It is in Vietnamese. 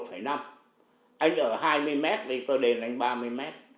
anh ở hai mươi mét thì tôi đền anh ba mươi mét